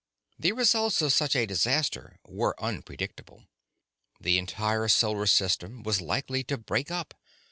The results of such a disaster were unpredictable. The entire solar system was likely to break up.